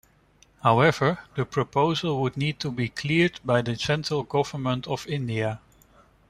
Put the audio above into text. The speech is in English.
However, the proposal would need to be cleared by the Central Government of India.